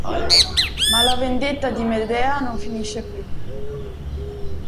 Ma la vendetta di Medea non finisce qui.